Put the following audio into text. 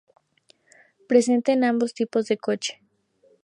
Presente en ambos tipos de coche.